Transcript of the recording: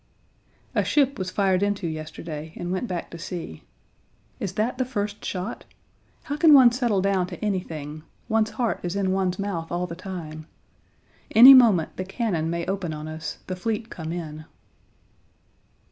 A ship was fired into yesterday, and went back to sea. Is that the first shot? How can one settle down to anything; one's heart is in one's mouth all the time. Any moment the cannon may open on us, the fleet come in.